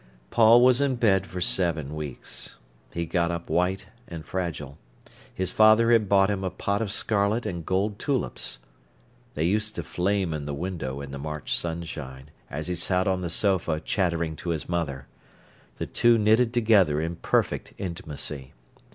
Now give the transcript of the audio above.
Paul was in bed for seven weeks. He got up white and fragile. His father had bought him a pot of scarlet and gold tulips. They used to flame in the window in the March sunshine as he sat on the sofa chattering to his mother. The two knitted together in perfect intimacy.